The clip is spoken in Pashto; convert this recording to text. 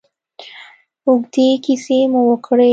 اوږدې کیسې مو وکړې.